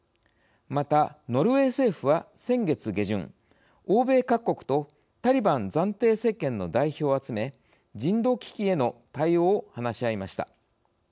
また、ノルウェー政府は先月下旬欧米各国とタリバン暫定政権の代表を集め人道危機への対応を話し合いました。